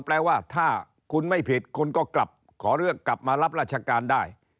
แปลว่าถ้าคุณไม่ผิดคุณก็กลับขอเรื่องกลับมารับราชการได้